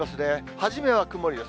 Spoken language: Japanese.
初めは曇りです。